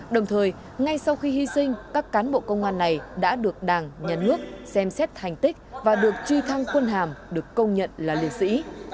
đồng thời ngay sau khi hy sinh các cán bộ công an này đã được đảng nhà nước xem xét thành tích và được truy thăng quân hàm được công nhận là liệt sĩ